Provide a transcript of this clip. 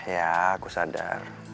ya aku sadar